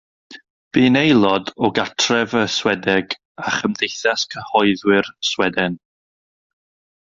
Bu'n aelod o Gartref y Swedeg a Chymdeithas Cyhoeddwyr Sweden.